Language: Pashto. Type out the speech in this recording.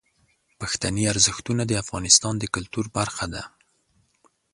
پښتني ارزښتونه د افغانستان د کلتور برخه ده.